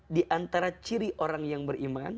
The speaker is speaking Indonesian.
di antara ciri orang yang beriman